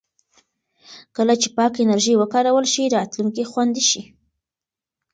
کله چې پاکه انرژي وکارول شي، راتلونکی خوندي شي.